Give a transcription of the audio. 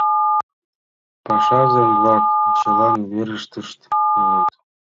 Пашазем-влак чылан верыштышт улыт.